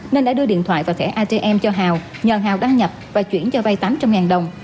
nên đã đưa điện thoại và thẻ atm cho hào nhờ hào đăng nhập và chuyển cho vay tám trăm linh đồng